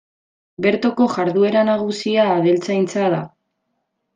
Bertoko jarduera nagusia abeltzaintza da.